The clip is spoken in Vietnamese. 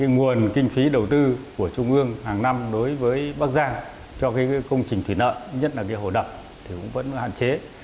nguồn kinh phí đầu tư của trung ương hàng năm đối với bắc giang cho công trình thủy lợi nhất là hồ đập cũng vẫn hạn chế